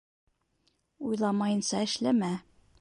Уйламайынса эшләмә.